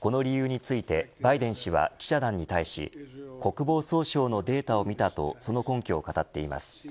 この理由についてバイデン氏は、記者団に対し国防総省のデータを見たとその根拠を語っています。